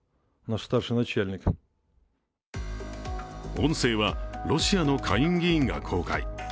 音声はロシアの下院議員が公開。